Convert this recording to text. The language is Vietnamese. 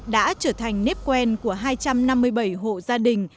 đã trở thành nếp quen của hai trăm năm mươi bảy hộ gia đình